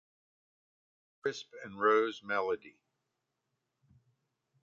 Crisp and Rose Meleady.